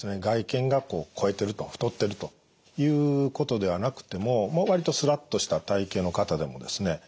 外見が肥えてると太っているということではなくても割とスラッとした体型の方でもですね